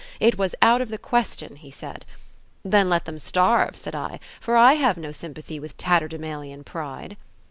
It was out of the question, he said. Then let them starve, said I, for I have no sympathy with tatterdemalion pride.